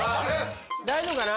大丈夫かな？